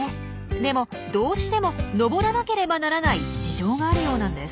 でもどうしても登らなければならない事情があるようなんです。